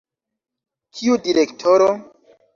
Kiu direktoro?